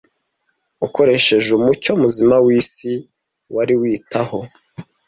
Ukoresheje umucyo muzima w'isi wari witaho,